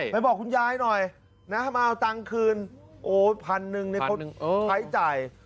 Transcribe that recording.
ไปบอกคุณยายหน่อยนะครับมาเอาตังคืนโอ้พันหนึ่งในกฎใช้จ่าย